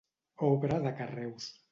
Obra de carreus.